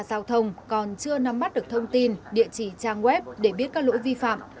giao thông còn chưa nắm mắt được thông tin địa chỉ trang web để biết các lỗi vi phạm